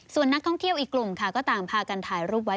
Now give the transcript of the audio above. ส่วนนักท่องเที่ยวอีกกลุ่มค่ะก็ต่างพากันถ่ายรูปไว้